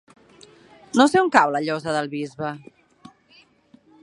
No sé on cau la Llosa del Bisbe.